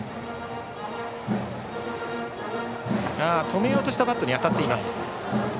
止めようとしたバットに当たっています。